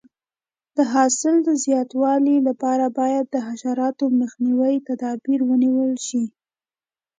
د حاصل د زیاتوالي لپاره باید د حشراتو مخنیوي تدابیر ونیول شي.